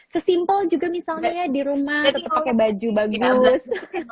sesimpel juga misalnya ya di rumah tetep pake baju bagus